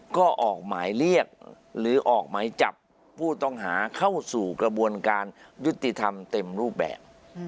ก็ออกหมายเรียกหรือออกหมายจับผู้ต้องหาเข้าสู่กระบวนการยุติธรรมเต็มรูปแบบ